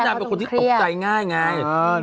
นางเป็นคนที่ตกใจง่าย